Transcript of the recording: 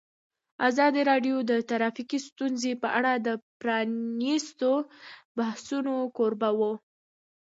ازادي راډیو د ټرافیکي ستونزې په اړه د پرانیستو بحثونو کوربه وه.